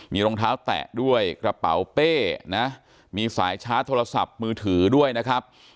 มีรองเท้าแตะด้วยกระเป๋าเป้นะมีสายชาร์จโทรศัพท์มือถือด้วยนะครับ